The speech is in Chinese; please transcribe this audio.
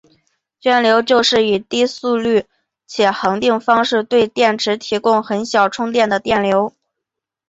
涓流就是以低速率且恒定方式对电池提供很小的充电电流。